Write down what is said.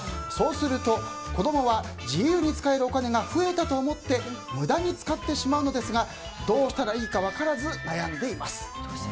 そうすると子供は自由に使えるお金が増えたと思って無駄に使ってしまうのですがどうしたらいいか分からず悩んでいます。